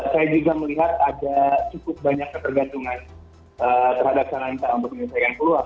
saya juga melihat ada cukup banyak ketergantungan terhadap sarana untuk menyelesaikan peluang